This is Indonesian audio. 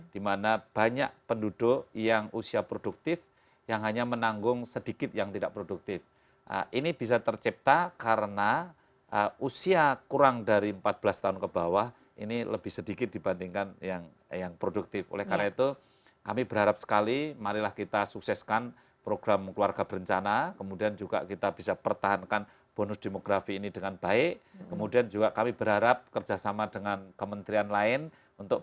dimana banyak penduduk yang usia produktif yang hanya menanggung sedikit yang tidak produktif ini bisa tercipta karena usia kurang dari empat belas tahun ke bawah ini lebih sedikit dibandingkan yang produktif oleh karena itu kami berharap sekali marilah kita sukseskan program keluarga berencana kemudian juga kita bisa pertahankan bonus demografi ini dengan baik kemudian juga kami berharap kerjasama dengan kementerian bapenas ini akan menjadi suatu perjalanan yang lebih baik dan lebih baik untuk kita